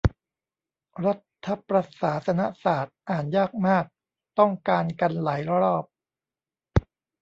รัฐประศาสนศาตร์ อ่านยากมาก ต้องการกันหลายรอบ